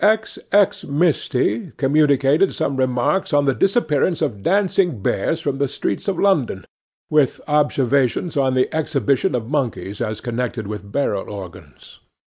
X. X. MISTY communicated some remarks on the disappearance of dancing bears from the streets of London, with observations on the exhibition of monkeys as connected with barrel organs.